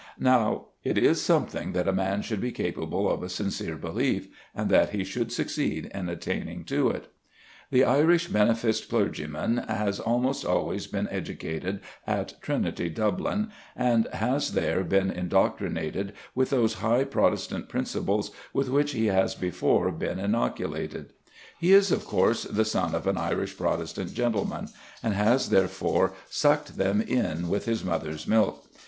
Now it is something that a man should be capable of a sincere belief, and that he should succeed in attaining to it. The Irish beneficed clergyman has almost always been educated at Trinity, Dublin, and has there been indoctrinated with those high Protestant principles with which he has before been inoculated. He is, of course, the son of an Irish Protestant gentleman, and has therefore sucked them in with his mother's milk.